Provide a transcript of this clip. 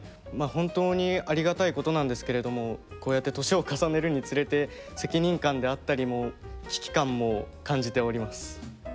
本当にありがたいことなんですけれどもこうやって年を重ねるにつれて責任感であったりも危機感も感じております。